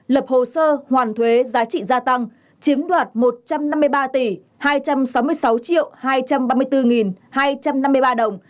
lập hồ sơ hoàn thuế giá trị gia tăng chiếm đoạt một trăm năm mươi ba tỷ hai trăm sáu mươi sáu hai trăm ba mươi bốn hai trăm năm mươi ba đồng